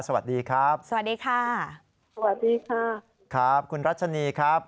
สวัสดีครับสวัสดีค่ะสวัสดีค่ะครับคุณรัชนีครับ